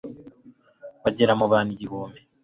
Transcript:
bagera mu bantu igihumbi